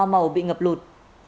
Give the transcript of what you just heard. màu bị ngập lụt